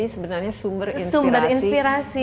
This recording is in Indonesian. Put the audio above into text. sebenarnya sumber inspirasi